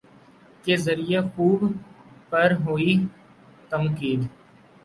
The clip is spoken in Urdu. کے ذریعے خود پر ہوئی تنقید